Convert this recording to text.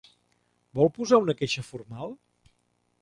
Vol posar una queixa formal?